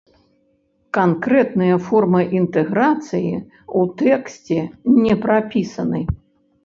Канкрэтныя формы інтэграцыі ў тэксце не прапісаны.